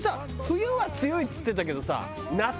冬は強いっつってたけどさ。